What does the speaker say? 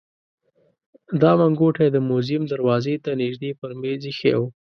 دا منګوټی د موزیم دروازې ته نژدې پر مېز ایښی و.